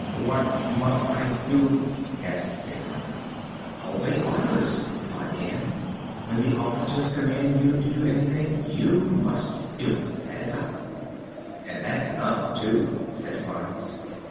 "What must I do?" asked Tik Tok. "Obey orders," replied Ann. "When the officers command you to do anything, you must do it; that is all." "And that's enough, too," said Files.